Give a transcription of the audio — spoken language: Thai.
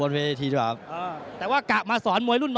โอ้โหวันนี้เจอนักมวยรุ่นพี่ยอดมวยเลย